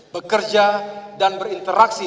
bekerja dan berinteraksi